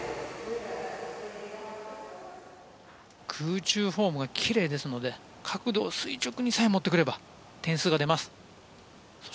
空中フォームがきれいなので角度を垂直に持ってくれば点数が出ます。